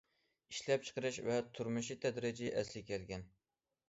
ئىشلەپچىقىرىش ۋە تۇرمۇشى تەدرىجىي ئەسلىگە كەلگەن.